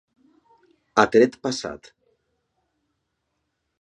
A tret passat.